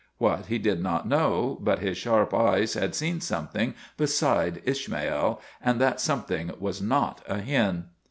What, he did not know; but his sharp eyes had seen something beside Ishmael, and that something was not a hen.